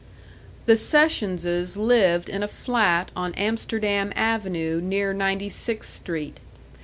The Sessionses lived in a flat on Amsterdam Avenue near Ninety sixth Street.